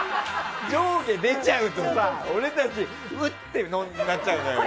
上下出ちゃうとさ俺たちうっってなっちゃうから。